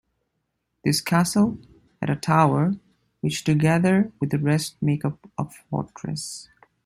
This castle had a tower which together with the rest make up a fortress.